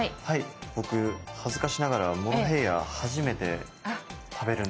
僕恥ずかしながらモロヘイヤ初めて食べるんですよ。